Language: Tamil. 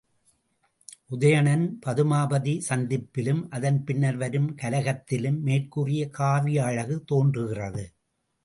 உதயணன்பதுமாபதி சந்திப்பிலும், அதன் பின்னர் வரும் கலக்கத்திலும் மேற்கூறிய காவிய அழகு தோன்றுகிறது.